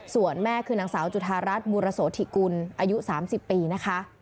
ส่วนแม่คือนางสาวจุธารัฐบุรโสธิกุลอายุ๓๐ปีนะคะ